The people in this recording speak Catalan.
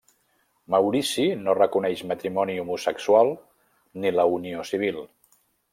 Maurici no reconeix matrimoni homosexual ni la unió civil.